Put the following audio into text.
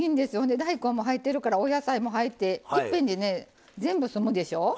大根も入ってお野菜も入っていっぺんに全部済むでしょう。